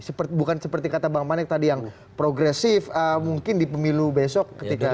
seperti bukan seperti kata bang manek tadi yang progresif mungkin di pemilu besok ketika dua puluh empat dua puluh empat